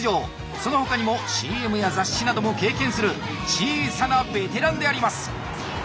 その他にもＣＭや雑誌なども経験する小さなベテランであります。